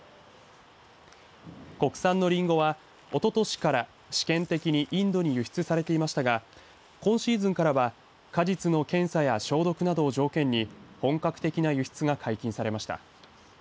国産のりんごはおととしから試験的にインドに輸出されていましたが今シーズンからは果実の検査や消毒などを条件に本格的な輸出が解禁されました。